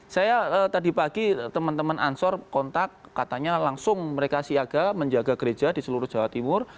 saya tadi pagi teman teman ansor kontak katanya langsung mereka siaga menjaga gereja di seluruh jawa timur